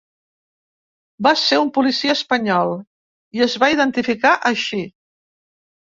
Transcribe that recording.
Va ser un policia espanyol, i es va identificar així.